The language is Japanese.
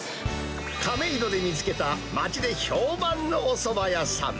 亀戸で見つけた、町で評判のおそば屋さん。